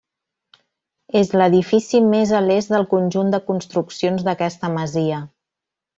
És l'edifici més a l'est del conjunt de construccions d'aquesta masia.